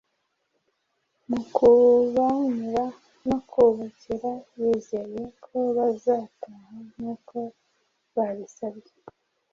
mu kubacyura no kubakira, yizeye ko bazataha nk'uko babisabye.